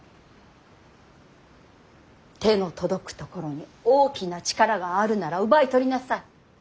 手の届く所に大きな力があるなら奪い取りなさい。